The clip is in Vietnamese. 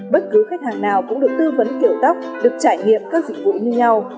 bất cứ khách hàng nào cũng được tư vấn kiểu tóc được trải nghiệm các dịch vụ như nhau